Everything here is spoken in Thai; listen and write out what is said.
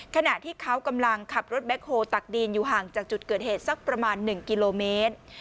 ขณะที่เขากำลังขับรถแบ็คโฮลตักดินอยู่ห่างจากจุดเกิดเหตุสักประมาณ๑กิโลเมตร